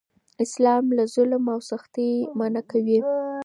اسلام له ظلم او سختۍ منع کوي.